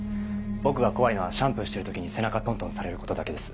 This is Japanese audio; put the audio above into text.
僕が怖いのはシャンプーしてる時に背中トントンされることだけです。